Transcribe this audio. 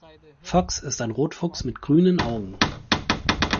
Fox ist ein Rotfuchs mit grünen Augen.